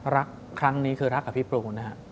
รักครั้งนี้คือรักกับพี่ปูนะฮะ